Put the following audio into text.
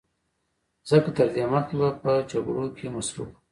ځکه تر دې مخکې به په جګړو کې مصروف و